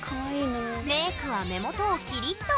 メークは目元をキリッと。